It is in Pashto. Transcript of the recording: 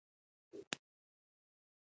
بابا دا ځل معافي وکړه، بیا به …